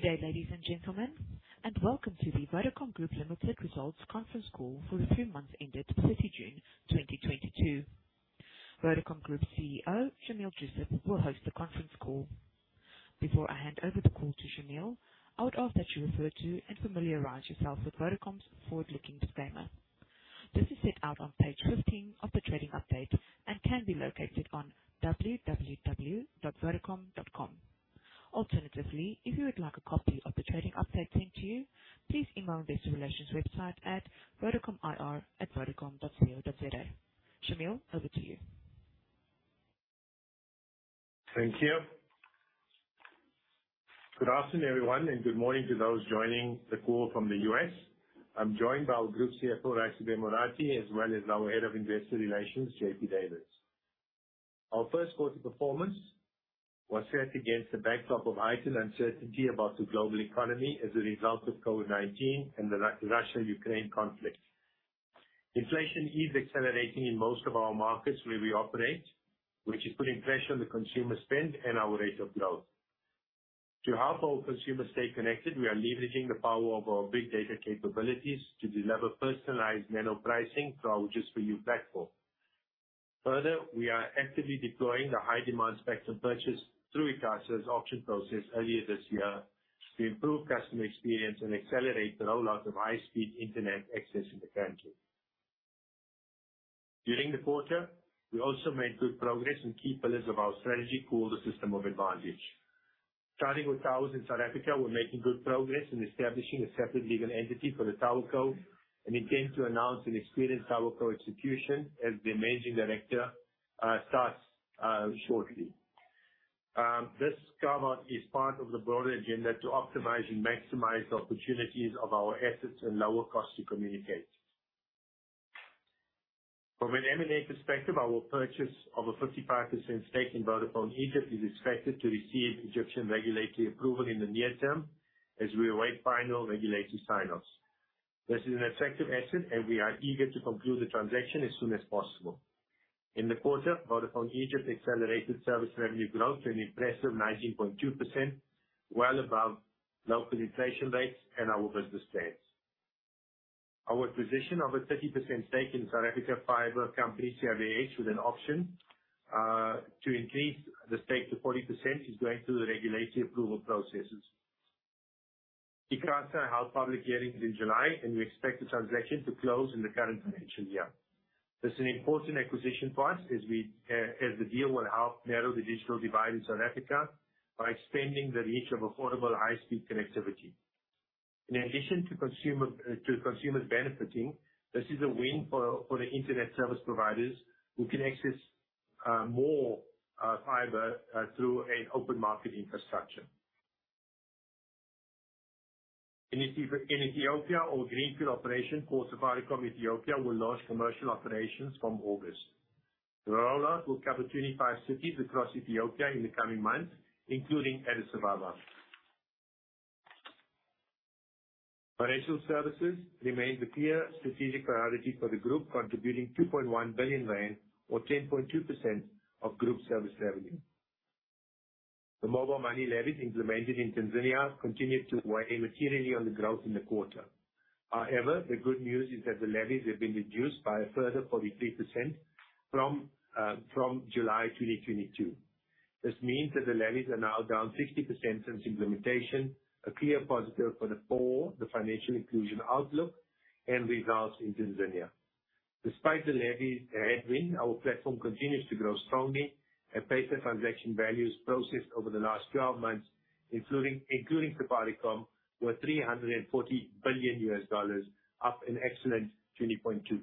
Good day, ladies and gentlemen, and welcome to the Vodacom Group Limited Results Conference Call for the three months ended 30 June 2022. Vodacom Group CEO, Shameel Joosub, will host the conference call. Before I hand over the call to Shameel, I would ask that you refer to and familiarize yourself with Vodacom's forward-looking disclaimer. This is set out on page 15 of the trading update and can be located on www.vodacom.com. Alternatively, if you would like a copy of the trading update sent to you, please email Investor Relations at vodacomir@vodacom.co.za. Shameel, over to you. Thank you. Good afternoon, everyone, and good morning to those joining the call from the US. I'm joined by our Group CFO, Raisibe Morathi, as well as our Head of Investor Relations, JP Davids. Our first quarter performance was set against the backdrop of heightened uncertainty about the global economy as a result of COVID-19 and the Russian-Ukraine conflict. Inflation is accelerating in most of our markets where we operate, which is putting pressure on the consumer spend and our rate of growth. To help our consumers stay connected, we are leveraging the power of our big data capabilities to deliver personalized nano pricing through our Just for You platform. Further, we are actively deploying the high demand spectrum purchase through ICASA's auction process earlier this year to improve customer experience and accelerate the rollout of high-speed internet access in the country. During the quarter, we also made good progress in key pillars of our strategy called the System of Advantage. Starting with towers in South Africa, we're making good progress in establishing a separate legal entity for the tower co. We intend to announce an experienced tower co executive as the managing director starts shortly. This move is part of the broader agenda to optimize and maximize the opportunities of our assets and lower cost to communicate. From an M&A perspective, our purchase of a 55% stake in Vodafone Egypt is expected to receive Egyptian regulatory approval in the near term as we await final regulatory sign-offs. This is an attractive asset, and we are eager to conclude the transaction as soon as possible. In the quarter, Vodafone Egypt accelerated service revenue growth an impressive 19.2%, well above low penetration rates and our business plans. Our acquisition of a 30% stake in South Africa fiber company, CIVH, with an option to increase the stake to 40% is going through the regulatory approval processes. ICASA held public hearings in July, and we expect the transaction to close in the current financial year. This is an important acquisition for us as the deal will help narrow the digital divide in South Africa by expanding the reach of affordable high-speed connectivity. In addition to consumers benefiting, this is a win for the Internet service providers who can access more fiber through an open market infrastructure. In Ethiopia, our greenfield operation for Safaricom Ethiopia will launch commercial operations from August. The rollout will cover 25 cities across Ethiopia in the coming months, including Addis Ababa. Financial services remains a clear strategic priority for the group, contributing 2.1 billion rand, or 10.2% of group service revenue. The mobile money levies implemented in Tanzania continued to weigh materially on the growth in the quarter. However, the good news is that the levies have been reduced by a further 43% from July 2022. This means that the levies are now down 60% since implementation, a clear positive for the poor, the financial inclusion outlook, and results in Tanzania. Despite the levy headwind, our platform continues to grow strongly, and M-Pesa transaction values processed over the last twelve months, including Safaricom, were $340 billion, up an excellent 20.2%.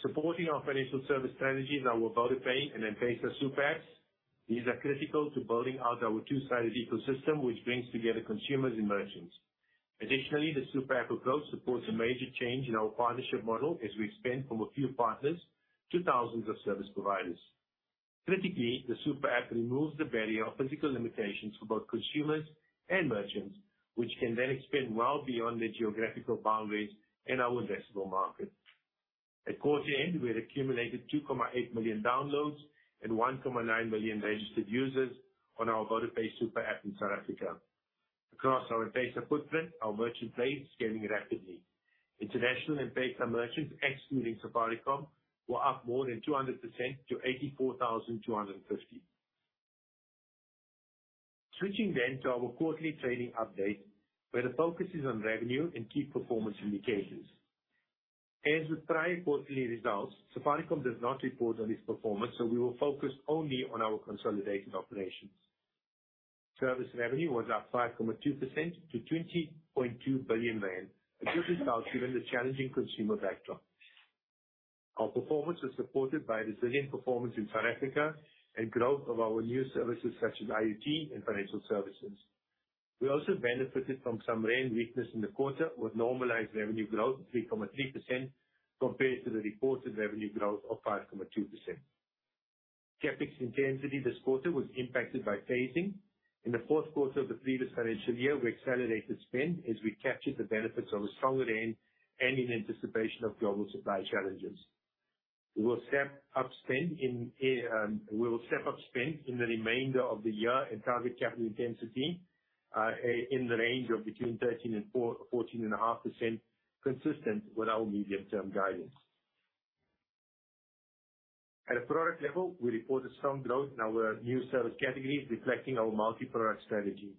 Supporting our financial service strategies are our VodaPay and M-Pesa super apps. These are critical to building out our two-sided ecosystem, which brings together consumers and merchants. Additionally, the super app approach supports a major change in our partnership model as we expand from a few partners to thousands of service providers. Critically, the super app removes the barrier of physical limitations for both consumers and merchants, which can then expand well beyond the geographical boundaries in our addressable market. At quarter end, we had accumulated 2.8 million downloads and 1.9 million registered users on our VodaPay super app in South Africa. Across our M-Pesa footprint, our merchant base is growing rapidly. International M-Pesa merchants, excluding Safaricom, were up more than 200% to 84,250. Switching then to our quarterly trading update, where the focus is on revenue and key performance indications. As with prior quarterly results, Safaricom does not report on its performance, so we will focus only on our consolidated operations. Service revenue was up 5.2% to 20.2 billion rand, a good result given the challenging consumer backdrop. Our performance was supported by resilient performance in South Africa and growth of our new services such as IoT and financial services. We also benefited from some rand weakness in the quarter, with normalized revenue growth of 3.3% compared to the reported revenue growth of 5.2%. CapEx intensity this quarter was impacted by phasing. In the fourth quarter of the previous financial year, we accelerated spend as we captured the benefits of a stronger rand and in anticipation of global supply challenges. We will step up spend in the remainder of the year and target capital intensity in the range of between 13% and 14.5% consistent with our medium-term guidance. At a product level, we reported strong growth in our new service categories reflecting our multi-product strategy.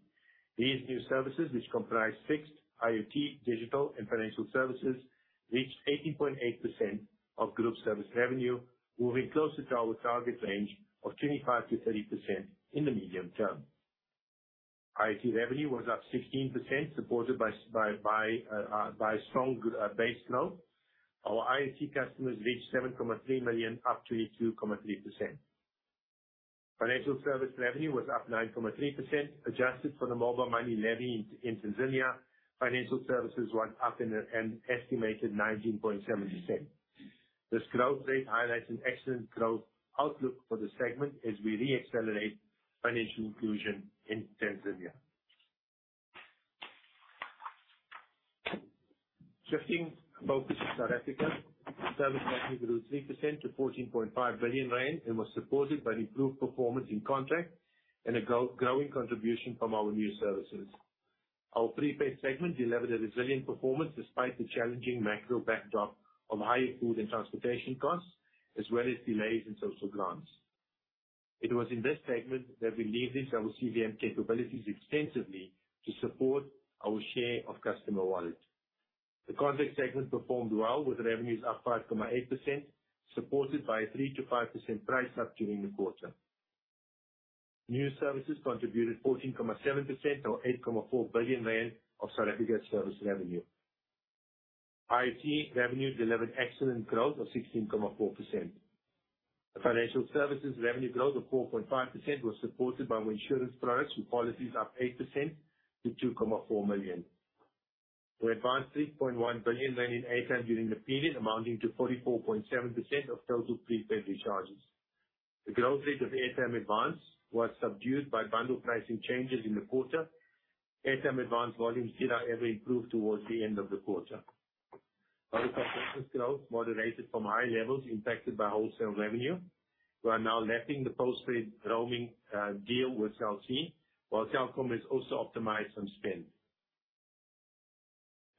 These new services, which comprise fixed, IoT, digital, and financial services, reached 18.8% of group service revenue, moving closer to our target range of 25%-30% in the medium term. IT revenue was up 16% supported by strong g-base load. Our IoT customers reached 7.3 million, up 22.3%. Financial service revenue was up 9.3%, adjusted for the mobile money levy in Tanzania. Financial services were up an estimated 19.7%. This growth rate highlights an excellent growth outlook for the segment as we re-accelerate financial inclusion in Tanzania. Shifting focus to South Africa, service revenue grew 3% to 14.5 billion rand and was supported by the improved performance in contract and a growing contribution from our new services. Our prepaid segment delivered a resilient performance despite the challenging macro backdrop of higher food and transportation costs, as well as delays in social grants. It was in this segment that we leveraged our CVM capabilities extensively to support our share of customer wallet. The contract segment performed well, with revenues up 5.8%, supported by a 3%-5% price up during the quarter. New services contributed 14.7% or 8.4 billion rand of South Africa's service revenue. IoT revenue delivered excellent growth of 16.4%. The financial services revenue growth of 4.5% was supported by our insurance products, with policies up 8% to 2.4 million. We advanced 3.1 billion in Airtime during the period, amounting to 44.7% of total prepaid recharges. The growth rate of Airtime advance was subdued by bundle pricing changes in the quarter. Airtime advance volumes did however improve towards the end of the quarter. Mobile connections growth moderated from high levels impacted by wholesale revenue. We are now lapping the postpaid roaming deal with Cell C, while Telkom has also optimized some spend.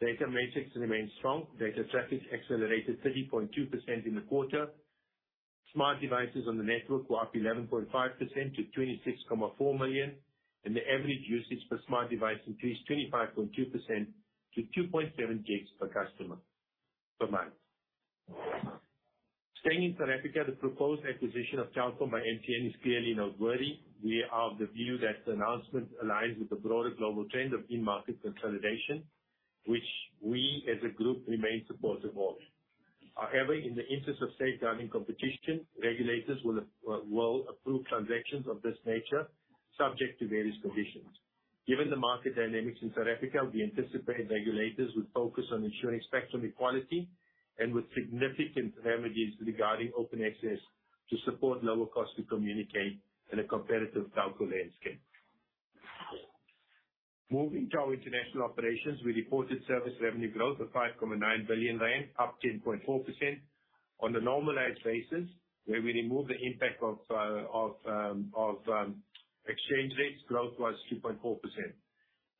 Data metrics remain strong. Data traffic accelerated 30.2% in the quarter. Smart devices on the network were up 11.5% to 26.4 million, and the average usage per smart device increased 25.2% to 2.7 GB per customer per month. Staying in South Africa, the proposed acquisition of Telkom by MTN is clearly noteworthy. We are of the view that the announcement aligns with the broader global trend of in-market consolidation, which we as a group remain supportive of. However, in the interest of safeguarding competition, regulators will approve transactions of this nature subject to various conditions. Given the market dynamics in South Africa, we anticipate regulators would focus on ensuring spectrum equality and, with significant remedies regarding open access, to support lower cost to communicate in a competitive telco landscape. Moving to our international operations, we reported service revenue growth of 5.9 billion rand, up 10.4%. On a normalized basis where we remove the impact of exchange rates, growth was 2.4%.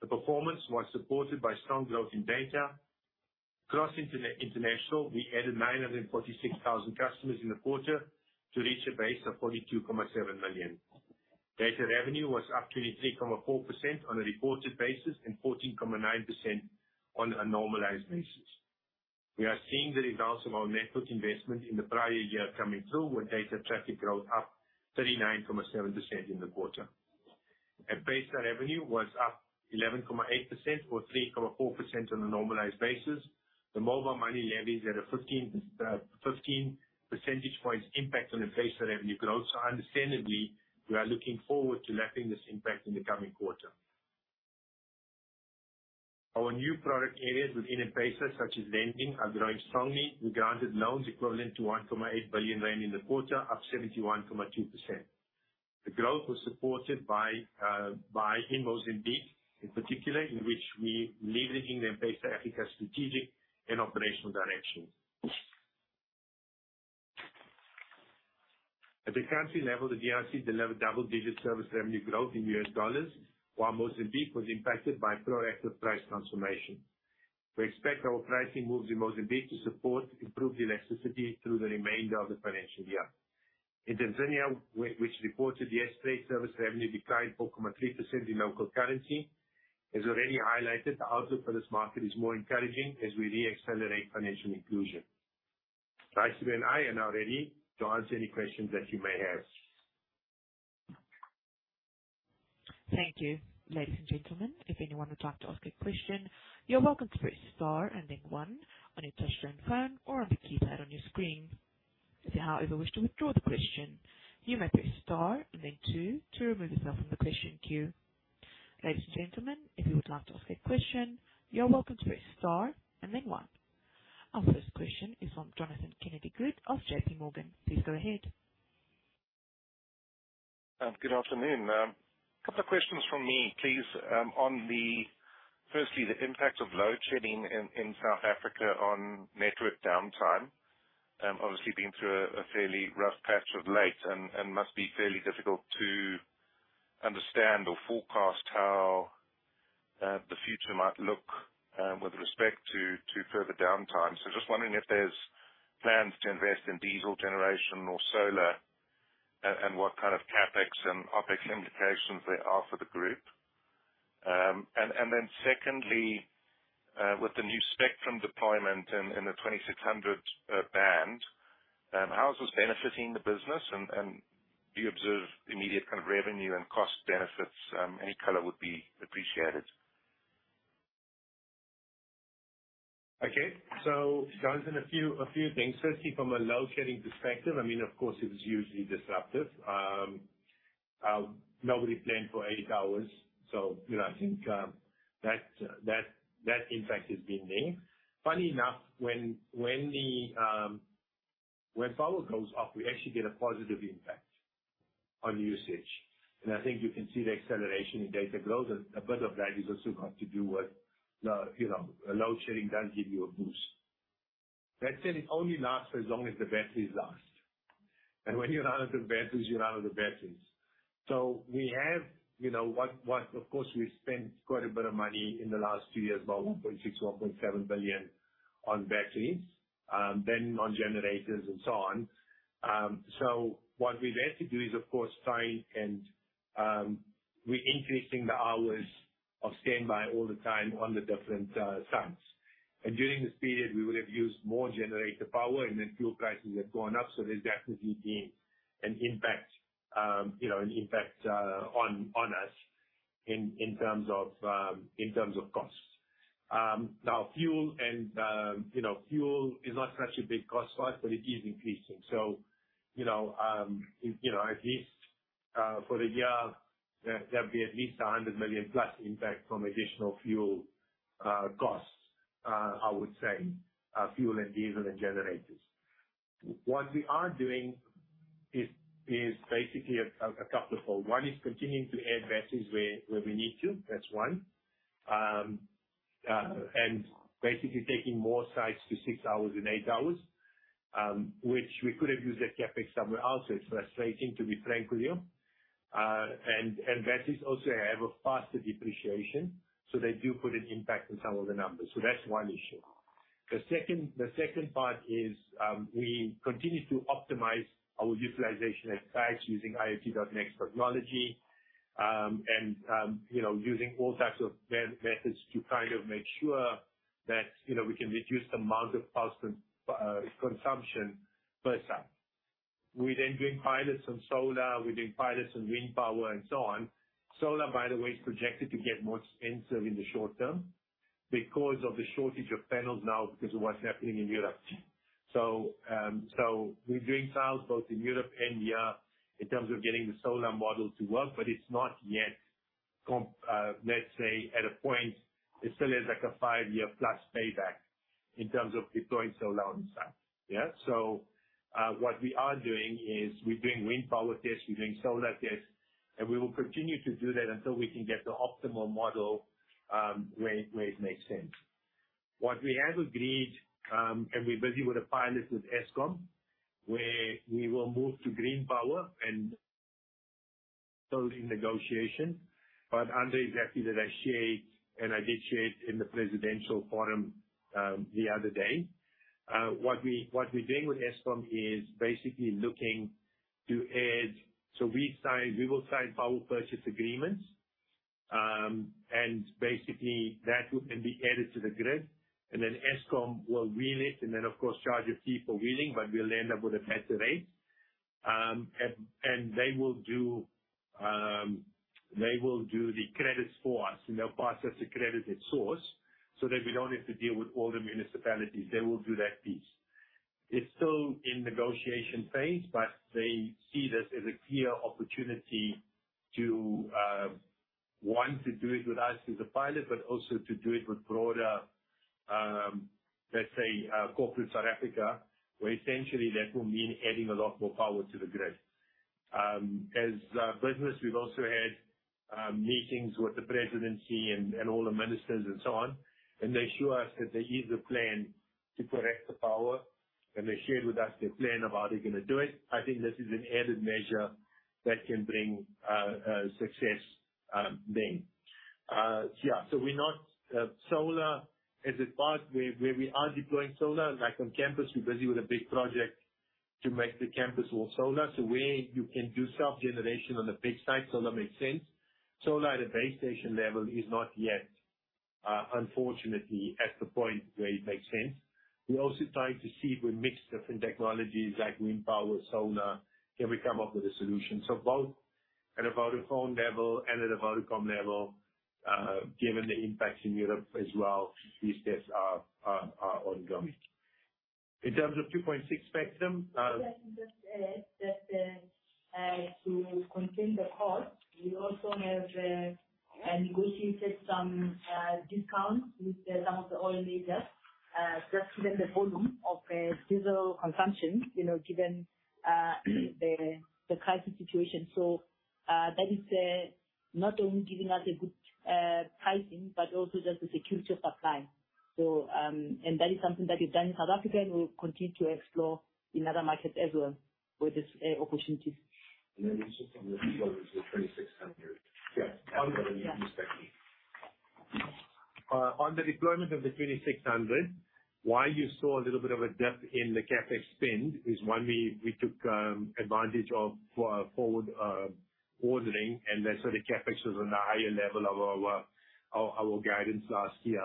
The performance was supported by strong growth in data. Across international, we added 946,000 customers in the quarter to reach a base of 42.7 million. Data revenue was up 23.4% on a reported basis and 14.9% on a normalized basis. We are seeing the results of our network investment in the prior year coming through, with data traffic growth up 39.7% in the quarter. M-Pesa revenue was up 11.8% or 3.4% on a normalized basis. The mobile money levies had a 15 percentage points impact on M-Pesa revenue growth, so understandably, we are looking forward to lapping this impact in the coming quarter. Our new product areas within M-Pesa, such as lending, are growing strongly. We granted loans equivalent to 1.8 billion rand in the quarter, up 71.2%. The growth was supported by in Mozambique in particular, in which we leveraging the M-Pesa Africa strategic and operational direction. At the country level, the DRC delivered double-digit service revenue growth in US dollars, while Mozambique was impacted by proactive price transformation. We expect our pricing moves in Mozambique to support improved elasticity through the remainder of the financial year. In Tanzania, which reported yesterday, service revenue declined 4.3% in local currency. As already highlighted, the outlook for this market is more encouraging as we re-accelerate financial inclusion. Raisibe and I are now ready to answer any questions that you may have. Thank you. Ladies and gentlemen, if anyone would like to ask a question, you're welcome to press star and then one on your touchtone phone or on the keypad on your screen. If you however wish to withdraw the question, you may press star and then two to remove yourself from the question queue. Ladies and gentlemen, if you would like to ask a question, you're welcome to press star and then one. Our first question is from Jonathan Kennedy-Good of JPMorgan. Please go ahead. Good afternoon. Couple of questions from me, please, on, firstly, the impact of load shedding in South Africa on network downtime. Obviously been through a fairly rough patch of late and must be fairly difficult to understand or forecast how the future might look with respect to further downtime. Just wondering if there's plans to invest in diesel generation or solar, and what kind of CapEx and OpEx implications there are for the group. Secondly, with the new spectrum deployment in the 2600 band, how is this benefiting the business and do you observe immediate kind of revenue and cost benefits? Any color would be appreciated. Okay. Jonathan, a few things. Firstly, from a load shedding perspective, I mean, of course it was hugely disruptive. Nobody planned for eight hours, so, you know, I think that impact has been there. Funny enough, when power goes off, we actually get a positive impact on usage. I think you can see the acceleration in data growth. A bit of that is also got to do with the, you know, load shedding does give you a boost. That said, it only lasts as long as the batteries last. When you run out of batteries. We have, you know, of course, we've spent quite a bit of money in the last two years, about 1.6-1.7 billion on batteries, then on generators and so on. What we've had to do is of course try and we're increasing the hours of standby all the time on the different sites. During this period we would have used more generator power, and then fuel prices have gone up, so there's definitely been an impact, you know, an impact on us in terms of costs. Now fuel and, you know, fuel is not such a big cost for us, but it is increasing. You know, at least for the year there'll be at least 100 million plus impact from additional fuel costs, I would say, fuel and diesel and generators. What we are doing is basically a couple of fold. One is continuing to add batteries where we need to. That's one. And basically taking more sites to 6 hours and 8 hours, which we could have used that CapEx somewhere else, so it's frustrating, to be frank with you. And batteries also have a faster depreciation, so they do put an impact on some of the numbers. That's one issue. The second part is, we continue to optimize our utilization at sites using IoT.nxt technology, and, you know, using all types of methods to kind of make sure that, you know, we can reduce the amount of power consumption per se. We're doing pilots on solar, we're doing pilots on wind power and so on. Solar, by the way, is projected to get more expensive in the short term because of the shortage of panels now because of what's happening in Europe. We're doing trials both in Europe and here in terms of getting the solar model to work, but it's not yet. Let's say at a point, it still is like a five-year plus payback in terms of deploying solar on site. Yeah? What we are doing is we're doing wind power tests, we're doing solar tests, and we will continue to do that until we can get the optimal model, where it makes sense. What we have agreed, and we're busy with the pilots with Eskom, where we will move to green power and still in negotiation, but Andre is happy that I share it, and I did share it in the presidential forum, the other day. What we're doing with Eskom is basically looking to add. We sign, we will sign power purchase agreements, and basically that will then be added to the grid, and then Eskom will wheel it and then of course, charge a fee for wheeling, but we'll end up with a better rate. They will do the credits for us, and they'll process the credit at source so that we don't have to deal with all the municipalities. They will do that piece. It's still in negotiation phase, but they see this as a clear opportunity to do it with us as a pilot, but also to do it with broader, let's say, corporate South Africa, where essentially that will mean adding a lot more power to the grid. As a business we've also had meetings with the presidency and all the ministers and so on, and they assure us that there is a plan to correct the power, and they shared with us their plan of how they're gonna do it. I think this is an added measure that can bring success there. Solar is a part where we are deploying solar. Like on campus, we're busy with a big project to make the campus all solar. Where you can do self-generation on a big site, solar makes sense. Solar at a base station level is not yet, unfortunately, at the point where it makes sense. We're also trying to see if we mix different technologies like wind power, solar, can we come up with a solution? Both at a Vodafone level and at a Vodacom level, given the impacts in Europe as well, these tests are ongoing. In terms of 2.6 spectrum, Can I just add that, to contain the cost, we also have negotiated some discounts with some of the oil leaders. Just given the volume of diesel consumption, you know, given the crisis situation. That is not only giving us a good pricing, but also just the security of supply. That is something that we've done in South Africa, and we'll continue to explore in other markets as well with this opportunity. Just on the deployment of the 2,600. Yeah. On the- Yeah. On the deployment of the 2,600, why you saw a little bit of a dip in the CapEx spend is, one, we took advantage of forward ordering, and then the CapEx was on the higher level of our guidance last year.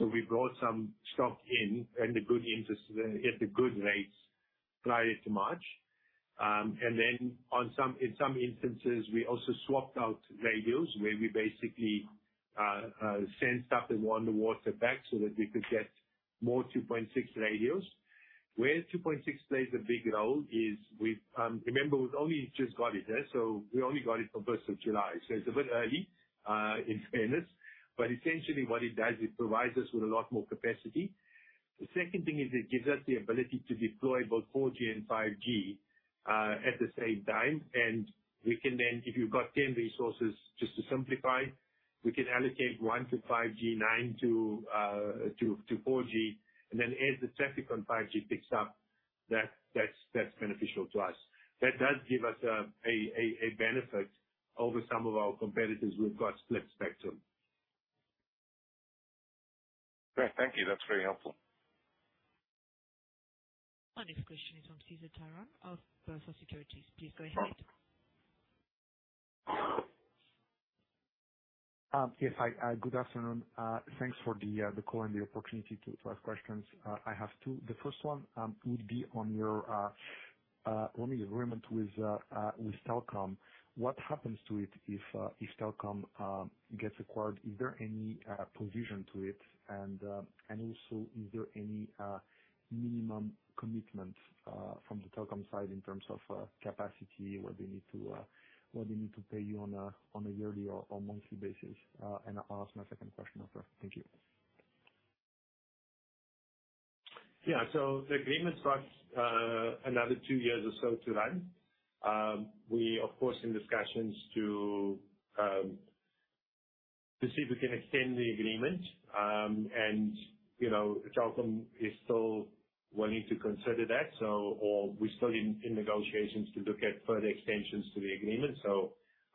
We brought some stock in at the good rates prior to March. In some instances, we also swapped out radios where we basically sent stuff that we wanted to swap back so that we could get more 2.6 radios. Where 2.6 plays a big role is, remember, we've only just got it there, so we only got it from first of July, so it's a bit early, in fairness. Essentially what it does, it provides us with a lot more capacity. The second thing is it gives us the ability to deploy both 4G and 5G at the same time, and we can then, if you've got 10 resources just to simplify, we can allocate one to 5G, nine to 4G, and then as the traffic on 5G picks up, that's beneficial to us. That does give us a benefit over some of our competitors who've got split spectrum. Great. Thank you. That's very helpful. Our next question is from Cesar Talan of Berenberg Securities. Please go ahead. Um. Yes. Hi, good afternoon. Thanks for the call and the opportunity to ask questions. I have two. The first one would be on your roaming agreement with Telkom. What happens to it if Telkom gets acquired? Is there any provision to it? Also, is there any minimum commitment from the Telkom side in terms of capacity or they need to pay you on a yearly or monthly basis? I'll ask my second question after. Thank you. Yeah. The agreement's got another two years or so to run. We of course in discussions to see if we can extend the agreement. You know, Telkom is still willing to consider that, so or we're still in negotiations to look at further extensions to the agreement.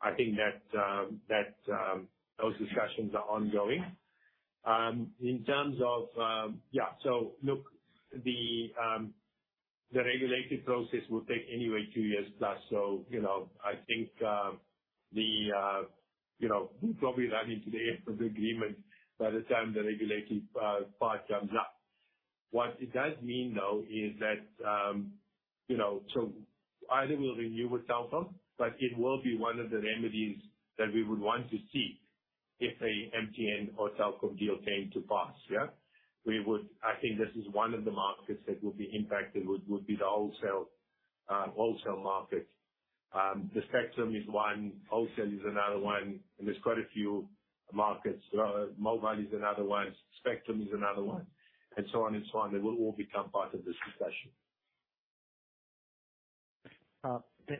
I think that those discussions are ongoing. In terms of. Yeah, look, the regulated process will take anyway two years plus. You know, I think you know, we'll probably run into the end of the agreement by the time the regulated part comes up. What it does mean, though, is that, you know, either we'll renew with Telkom, but it will be one of the remedies that we would want to seek if a MTN or Telkom deal came to pass. Yeah. I think this is one of the markets that would be impacted would be the wholesale market. The spectrum is one, wholesale is another one, and there's quite a few markets. Mobile is another one, spectrum is another one, and so on and so on. They will all become part of this discussion.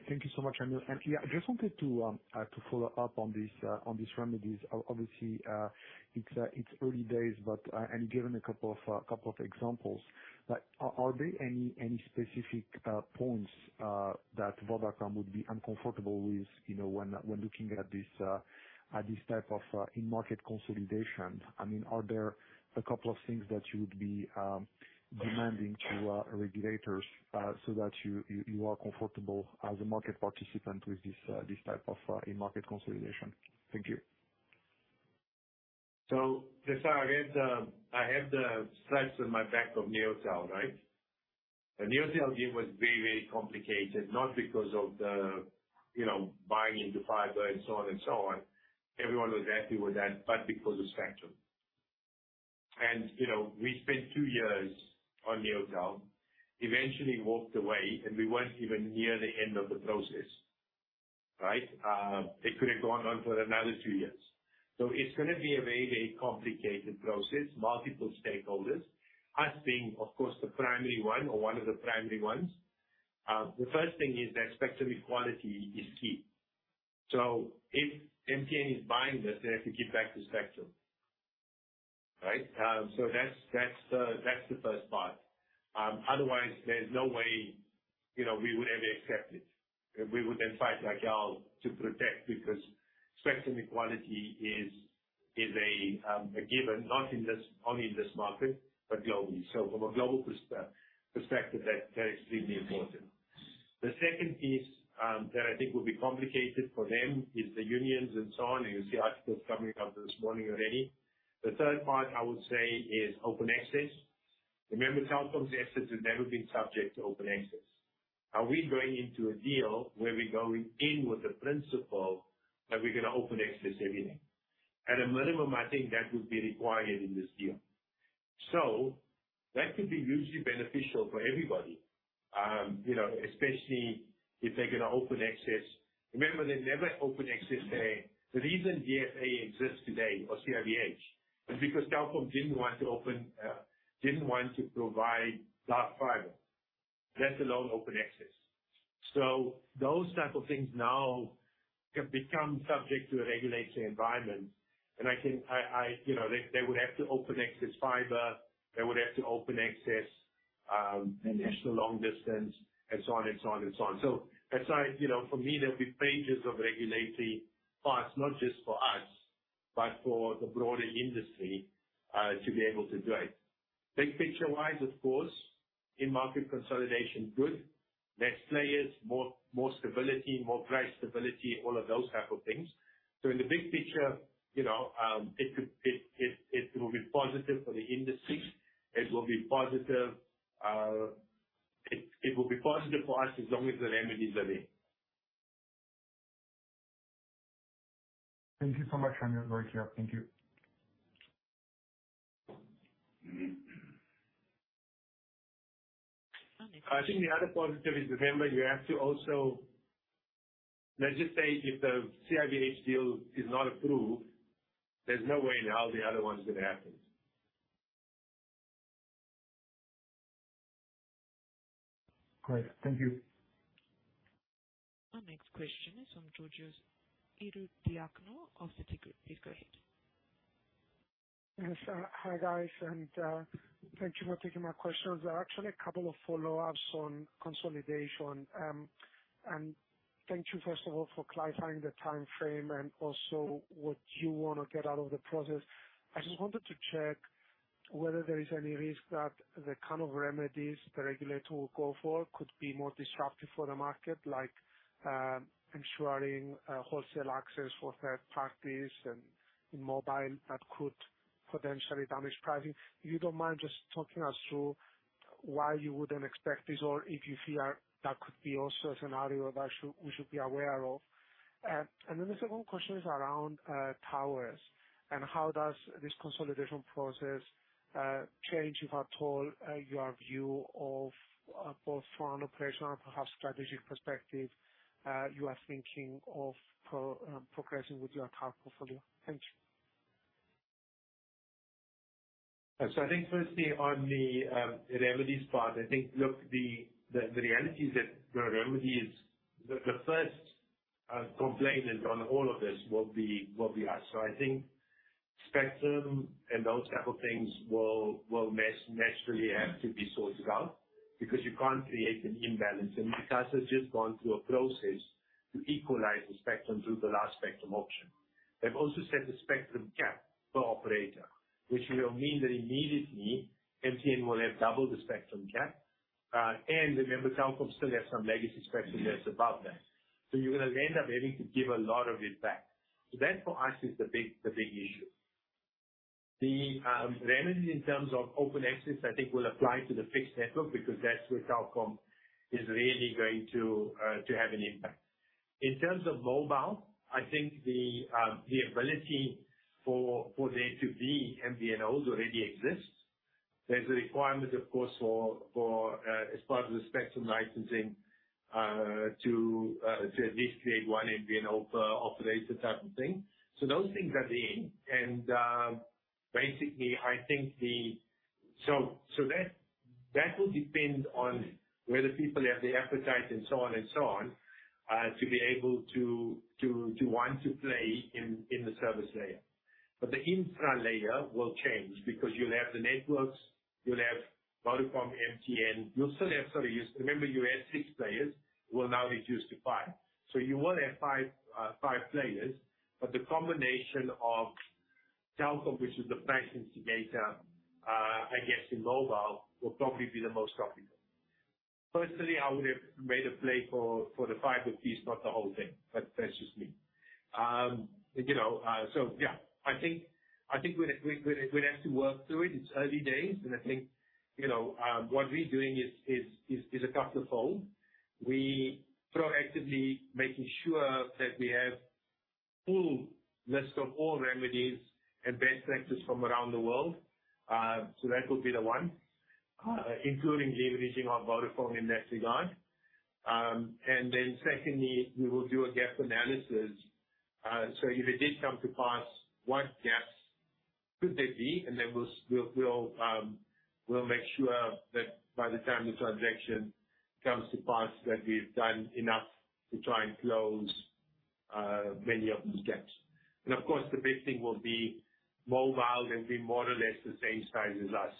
Thank you so much, Shameel. Yeah, I just wanted to follow up on these remedies. Obviously, it's early days, but you've given a couple of examples. Like, are there any specific points that Vodacom would be uncomfortable with, you know, when looking at this type of in-market consolidation? I mean, are there a couple of things that you would be demanding to regulators so that you are comfortable as a market participant with this type of in-market consolidation? Thank you. Cesar, I have the scars on my back of Neotel, right? The Neotel deal was very, very complicated, not because of the, you know, buying into fiber and so on and so on. Everyone was happy with that, but because of spectrum. You know, we spent two years on Neotel, eventually walked away, and we weren't even near the end of the process, right? They could have gone on for another two years. It's gonna be a very, very complicated process, multiple stakeholders. Us being, of course, the primary one or one of the primary ones. The first thing is that spectrum equality is key. If MTN is buying this, they have to give back the spectrum, right? That's the first part. Otherwise, there's no way, you know, we would ever accept it. We would then fight like hell to protect because spectrum equality is a given, not only in this market, but globally. From a global perspective, they're extremely important. The second piece that I think will be complicated for them is the unions and so on, and you'll see articles coming out this morning already. The third part, I would say, is open access. Remember, Telkom's assets have never been subject to open access. Are we going into a deal where we're going in with the principle that we're gonna open access everything? At a minimum, I think that would be required in this deal. So that could be hugely beneficial for everybody. You know, especially if they're gonna open access. Remember, they never open access there. The reason DFA exists today or CIVH is because Telkom didn't want to provide dark fiber, let alone open access. Those type of things now have become subject to a regulatory environment, and I think, you know, they would have to open access fiber. They would have to open access international long distance and so on and so on. You know, for me, there'll be pages of regulatory parts, not just for us, but for the broader industry to be able to do it. Big picture-wise, of course, in market consolidation, good. Less players, more stability, more price stability, all of those type of things. In the big picture, you know, it will be positive for the industry. It will be positive for us as long as the remedies are there. Thank you so much, Shameel. Very clear. Thank you. I think the other positive is, remember, you have to also legislate if the CIVH deal is not approved. There's no way now the other one's gonna happen. Great. Thank you. Our next question is from Georgios Ieracleous of Citigroup. Please go ahead. Yes. Hi, guys, and thank you for taking my questions. There are actually a couple of follow-ups on consolidation. Thank you, first of all, for clarifying the timeframe and also what you wanna get out of the process. I just wanted to check whether there is any risk that the kind of remedies the regulator will go for could be more disruptive for the market, like ensuring wholesale access for third parties and in mobile that could potentially damage pricing. If you don't mind just talking us through why you wouldn't expect this or if you feel that could be also a scenario that we should be aware of. The second question is around towers and how does this consolidation process change, if at all, your view of both from an operational perhaps strategic perspective, you are thinking of progressing with your tower portfolio. Thank you. I think firstly on the remedies part, I think, look, the reality is that the remedy is the first complainant on all of this will be us. I think spectrum and those type of things will naturally have to be sorted out because you can't create an imbalance. ICASA has just gone through a process to equalize the spectrum through the last spectrum auction. They've also set a spectrum cap per operator, which will mean that immediately MTN will have double the spectrum cap. Remember, Telkom still has some legacy spectrum that's above that. You're gonna end up having to give a lot of it back. That for us is the big issue. The remedy in terms of open access, I think, will apply to the fixed network because that's where Telkom is really going to have an impact. In terms of mobile, I think the ability for there to be MVNOs already exists. There's a requirement, of course, for as part of the spectrum licensing to at least create one MVNO per operator type of thing. Those things are there. Basically, that will depend on whether people have the appetite and so on and so on to be able to want to play in the service layer. The infra layer will change because you'll have the networks, you'll have Vodafone, MTN, you'll still have. Sorry, remember you had 6 players who will now reduce to 5. You will have five players, but the combination of Telkom, which is the fashion instigator, I guess in mobile, will probably be the most popular. Personally, I would have made a play for the fiber piece, not the whole thing, but that's just me. You know, yeah. I think we'd have to work through it. It's early days and I think, you know, what we're doing is a couple fold. We proactively making sure that we have full list of all remedies and best practices from around the world. That would be the one, including leveraging on Vodafone in that regard. Secondly, we will do a gap analysis. If it did come to pass, what gaps could there be? We'll make sure that by the time this transaction comes to pass, that we've done enough to try and close many of those gaps. Of course, the big thing will be mobile will be more or less the same size as us.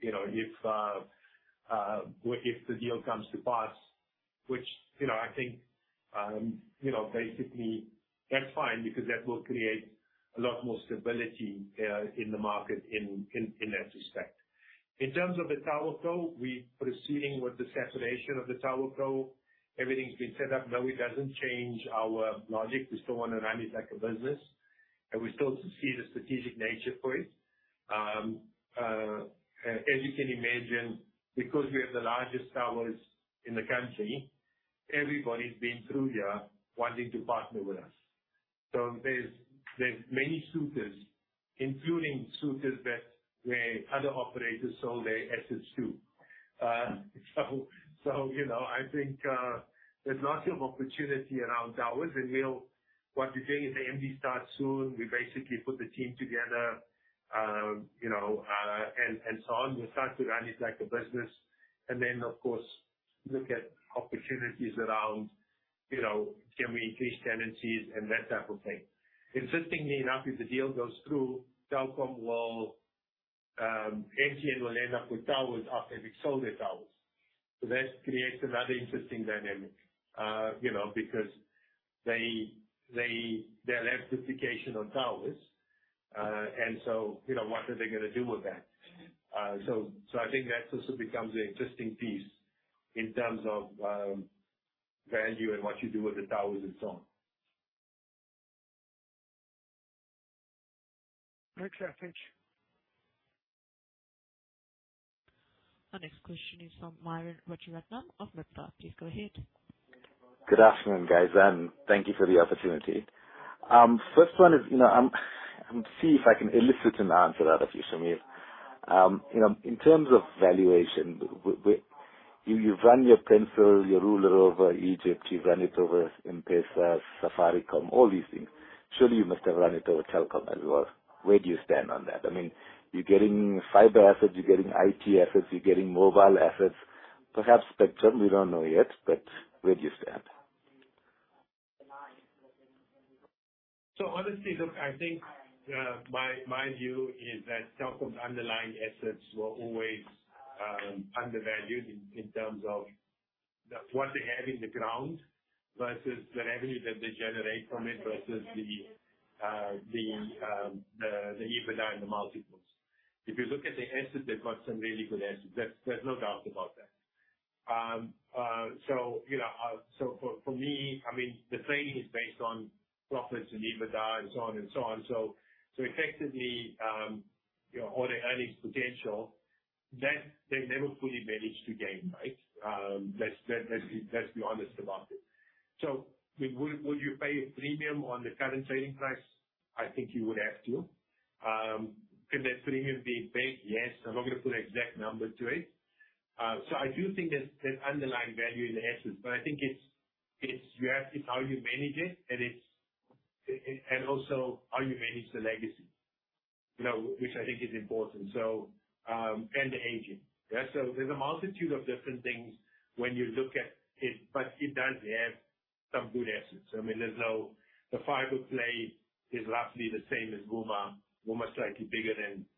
You know, if the deal comes to pass, which, you know, I think, you know, basically that's fine because that will create a lot more stability in the market in that respect. In terms of the TowerCo, we're proceeding with the separation of the TowerCo. Everything's been set up. No, it doesn't change our logic. We still wanna run it like a business, and we still see the strategic nature for it. As you can imagine, because we have the largest towers in the country, everybody's been through here wanting to partner with us. There's many suitors, including suitors that were other operators sold their assets to. You know, I think, there's lots of opportunity around towers, and we'll. What we're doing is the MD starts soon. We basically put the team together, you know, and so on. We start to run it like a business and then of course look at opportunities around, you know, can we increase tenancies and that type of thing. Interestingly enough, if the deal goes through, Telkom will, MTN will end up with towers after we've sold their towers. That creates another interesting dynamic, you know, because they'll have duplication of towers. you know, what are they gonna do with that? I think that also becomes an interesting piece in terms of value and what you do with the towers and so on. Thanks, Shameel. Our next question is from Myuran Rajaratnam of Midpa. Please go ahead. Good afternoon, guys, and thank you for the opportunity. First one is, you know, I want to see if I can elicit an answer out of you, Shameel. You know, in terms of valuation, you've run your pencil, your ruler over Egypt, you've run it over M-Pesa, Safaricom, all these things. Surely you must have run it over Telkom as well. Where do you stand on that? I mean, you're getting fiber assets, you're getting IT assets, you're getting mobile assets. Perhaps spectrum, we don't know yet, but where do you stand? Honestly, look, I think my view is that Telkom's underlying assets were always undervalued in terms of what they have in the ground versus the revenue that they generate from it versus the EBITDA and the multiples. If you look at the assets, they've got some really good assets. There's no doubt about that. For me, I mean, the trading is based on profits and EBITDA and so on and so on. Effectively, you know, all their earnings potential that they never fully managed to gain, right? Let's be honest about it. Will you pay a premium on the current trading price? I think you would have to. Could that premium be big? Yes. I'm not gonna put an exact number to it. I do think there's underlying value in the assets, but I think it's how you manage it, and it's also how you manage the legacy, you know, which I think is important, and the aging, right. There's a multitude of different things when you look at it, but it does have some good assets. I mean. The fiber play is roughly the same as Vuma. Vuma is slightly bigger than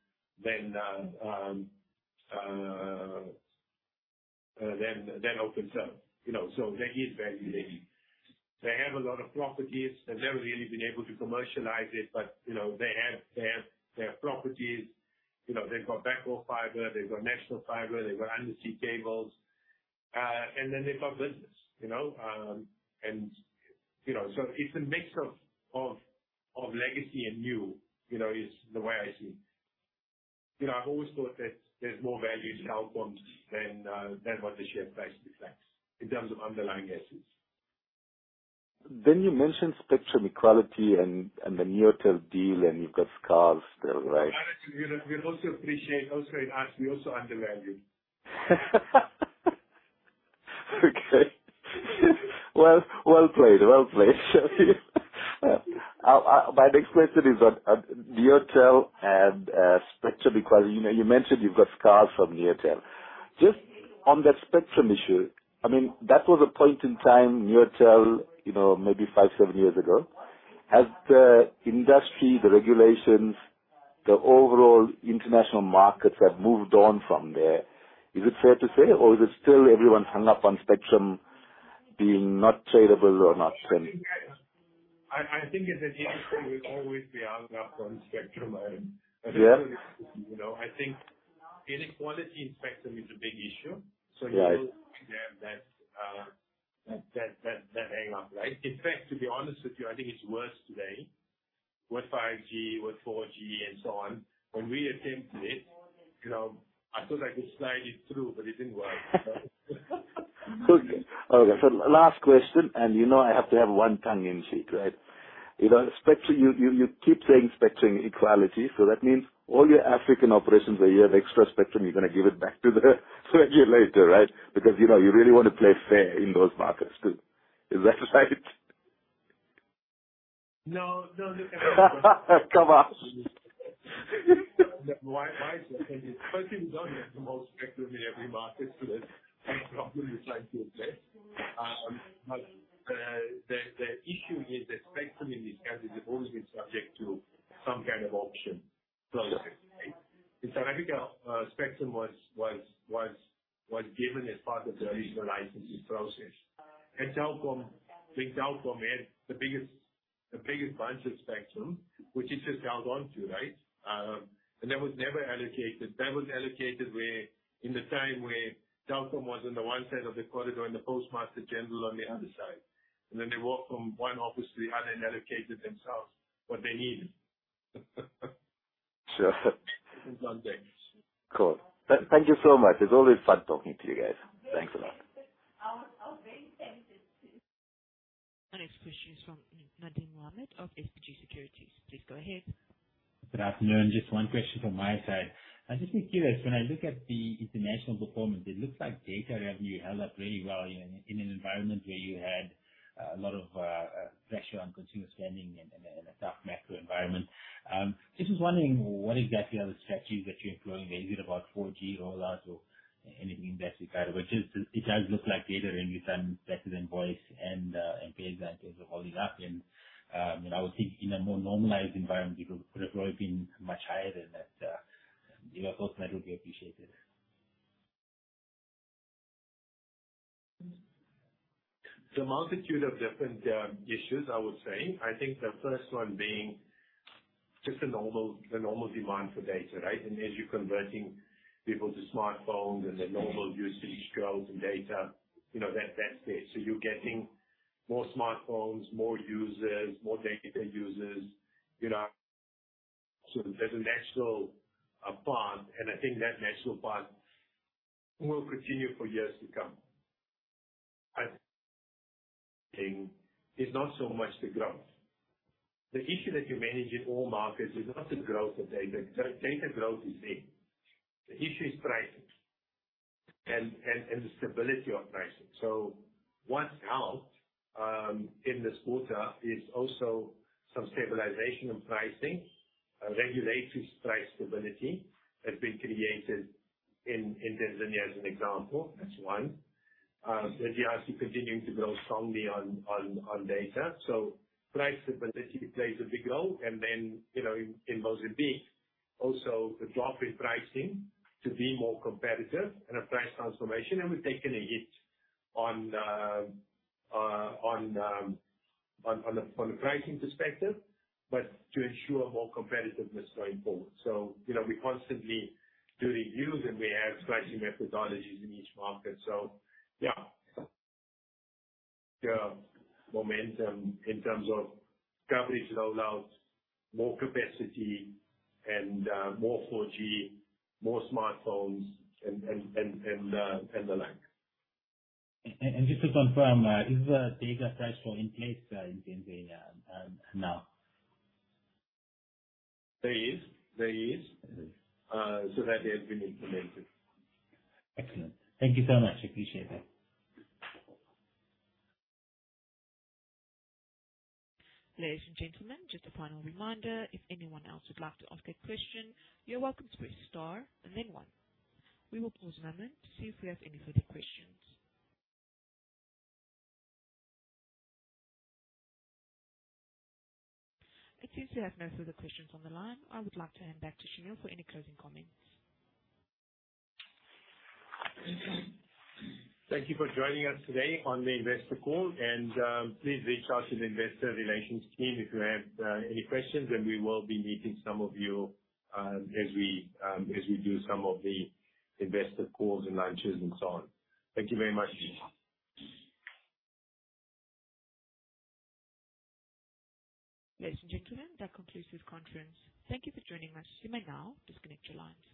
Openserve, you know. There is value there. They have a lot of properties. They've never really been able to commercialize it but, you know, they have their properties. You know, they've got backhaul fiber, they've got national fiber, they've got undersea cables. They've got business, you know. You know, it's a mix of legacy and new, you know, is the way I see it. You know, I've always thought that there's more value to Telkom than what the share price reflects in terms of underlying assets. You mentioned spectrum equality and the Neotel deal, and you've got scars still, right? We'll also appreciate. Also in U.S., we also undervalue. Okay. Well played. Well played, Shameel. My next question is on Neotel and spectrum because, you know, you mentioned you've got scars from Neotel. Just on that spectrum issue, I mean, that was a point in time, Neotel, you know, maybe 5, 7 years ago. Has the industry, the regulations, the overall international markets have moved on from there? Is it fair to say, or is it still everyone hung up on spectrum being not tradable or not selling? I think as a Vodacom, we'll always be hung up on spectrum, Myuran. Yeah. You know, I think inequality in spectrum is a big issue. Right. You will have that hang up, right? In fact, to be honest with you, I think it's worse today with 5G, with 4G and so on. When we attempted it, you know, I thought I could slide it through, but it didn't work. Good. Okay. Last question, and you know I have to have one tongue-in-cheek, right? You know, spectrum, you keep saying spectrum equality, so that means all your African operations where you have extra spectrum, you're gonna give it back to the treasury later, right? Because, you know, you really wanna play fair in those markets too. Is that right? No, no. Come on. No. My assumption is, first we don't have the most spectrum in every market, so that's one problem we're trying to address. The issue is that spectrum in this country has always been subject to some kind of auction process, right? In South Africa, spectrum was given as part of the original licensing process. Telkom, I think Telkom had the biggest bunch of spectrum, which it just held on to, right? That was never allocated. That was allocated where, in the time where Telkom was on the one side of the corridor and the Postmaster General on the other side. Then they walked from one office to the other and allocated themselves what they needed. Sure. In some ways. Cool. Thank you so much. It's always fun talking to you guys. Thanks a lot. Our next question is from Nadim Mohammed of SBG Securities. Please go ahead. Good afternoon. Just one question from my side. I was just curious, when I look at the international performance, it looks like data revenue held up really well, you know, in an environment where you had a lot of pressure on consumer spending and a tough macro environment. Just was wondering what exactly are the strategies that you're employing there. Is it about 4G rollouts or anything of that regard? It does look like data revenue is better than voice and paying in terms of holding up and, you know, I would think in a more normalized environment, it could have really been much higher than that. You know, your thoughts on that would be appreciated. It's a multitude of different issues, I would say. I think the first one being just the normal demand for data, right? As you're converting people to smartphones and the normal usage grows in data, you know, that's there. You're getting more smartphones, more users, more data users, you know. There's a natural path, and I think that natural path will continue for years to come. I think it's not so much the growth. The issue that you manage in all markets is not the growth of data. Data growth is there. The issue is pricing and the stability of pricing. What's out in this quarter is also some stabilization in pricing. Regulatory price stability has been created in Tanzania as an example. That's one. DRC continuing to grow strongly on data. Price stability plays a big role. You know, in Mozambique also the drop in pricing to be more competitive and a price transformation, and we've taken a hit on a pricing perspective, but to ensure more competitiveness going forward. You know, we constantly do reviews and we have pricing methodologies in each market. Yeah. Yeah, momentum in terms of coverage rollouts, more capacity and more 4G, more smartphones and the like. Just to confirm, is the data price still in place in Tanzania now? There is. There is. That has been implemented. Excellent. Thank you so much. Appreciate that. Ladies and gentlemen, just a final reminder, if anyone else would like to ask a question, you're welcome to press star and then one. We will pause a moment to see if we have any further questions. It seems we have no further questions on the line. I would like to hand back to Shameel Joosub for any closing comments. Thank you for joining us today on the investor call and, please reach out to the investor relations team if you have any questions, and we will be meeting some of you, as we do some of the investor calls and lunches and so on. Thank you very much. Ladies and gentlemen, that concludes this conference. Thank you for joining us. You may now disconnect your lines.